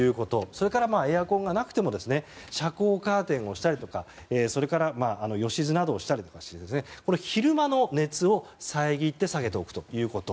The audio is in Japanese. それからエアコンがなくても遮光カーテンをしたりそれからよしずなどをしたりして昼間の熱を遮って下げておくということ。